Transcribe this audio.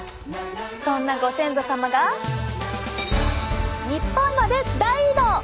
そんなご先祖様が日本まで大移動！